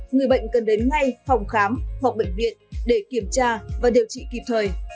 người bệnh cần đến ngay phòng khám hoặc bệnh viện để kiểm tra và điều trị kịp thời